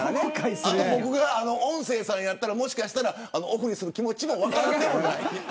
僕が音声さんやったらもしかしたらオフにする気持ちも分からないでもない。